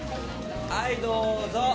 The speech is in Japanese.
はいどうぞ。